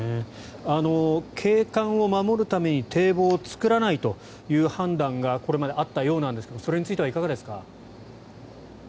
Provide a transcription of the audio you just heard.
景観を守るために堤防を作らないという判断がこれまであったようなんですがそれについてはいかがですか。